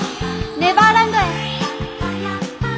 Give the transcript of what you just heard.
ネバーランドへ。